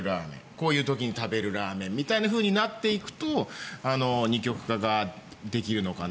こういう時に食べるラーメンみたいになっていくと二極化ができるのかな。